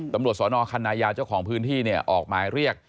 ตำรวจสนคันนายาเจ้าของพื้นที่เนี่ยออกหมายเรียก